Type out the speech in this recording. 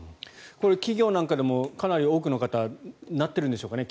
これは企業なんかでもかなり多くの方がなっているんでしょうかね。